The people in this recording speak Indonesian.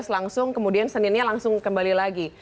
sembilan belas langsung kemudian seninnya langsung kembali lagi